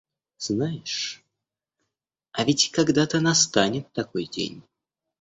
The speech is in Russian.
Знаешь, а ведь когда-то настанет такой день.